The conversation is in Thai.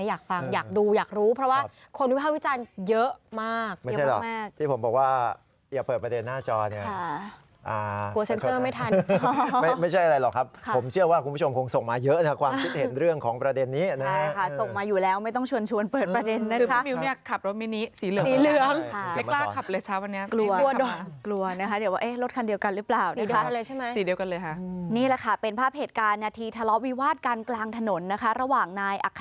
อยากฟังอยากดูอยากรู้เพราะว่าคนวิทยาลัยวิทยาลัยเยอะมาก